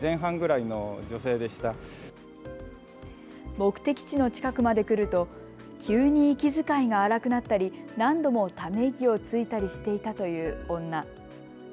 目的地の近くまで来ると急に息遣いが荒くなったり何度もため息をついたりしていたという女。